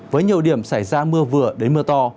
với nhiều điểm xảy ra mưa vừa đến mưa to